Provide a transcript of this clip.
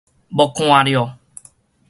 無看著